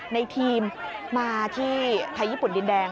ในทีมมาที่ไทยญี่ปุ่นดินแดง